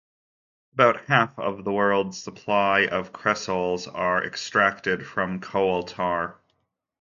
About half of the world's supply of cresols are extracted from coal tar.